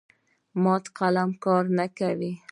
مات قلم کار نه کوي.